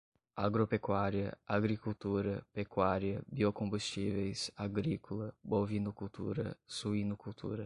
agropecuária, agricultura, pecuária, biocombustíveis, agrícola, bovinocultura, suinocultura